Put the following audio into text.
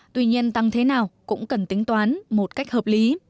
tuy nhiên tăng thế nào cũng cần tính toán một cách hợp lý